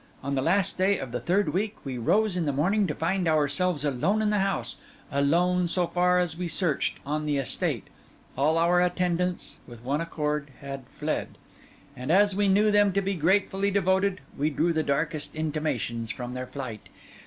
On the last day of the third week we rose in the morning to find ourselves alone in the house, alone, so far as we searched, on the estate; all our attendants, with one accord, had fled: and as we knew them to be gratefully devoted, we drew the darkest intimations from their flight.